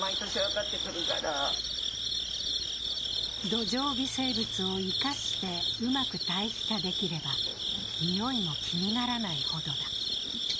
土壌微生物を生かして、うまく堆肥化できれば臭いも気にならないほどだ。